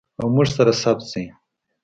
او موږ سره ثبت شي.